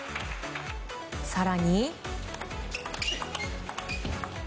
更に。